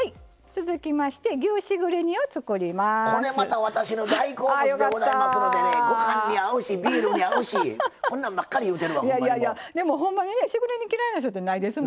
続きまして牛しぐれ煮を作ります。